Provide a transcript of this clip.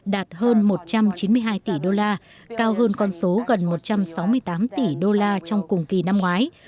đạt hơn một trăm chín mươi hai tỷ đô la cao hơn con số gần một trăm sáu mươi tám tỷ đô la trong cùng kỳ năm ngoái